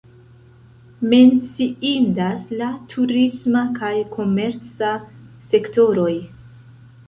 Menciindas la turisma kaj komerca sektoroj.